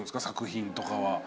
作品とかは。